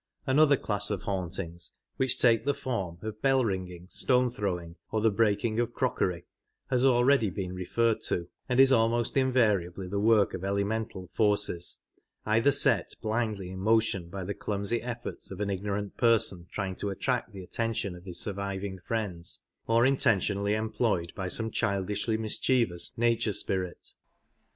Another class of hauntings which take the form of bell ringing, stone throwing, or the breaking of Bell ringing, crockery, has already been referred to, and is ^^ing^Qtc^ almost invariably the work of elemental forces, either set blindly in motion by the clumsy efforts of an ignorant person trying to attract the attention of his surviving friends, or intentionally employed by some childishly mischievous nature spirit.